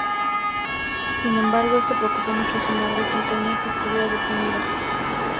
Sin embargo, esto preocupó mucho a su madre, quien tenía que estuviera deprimido.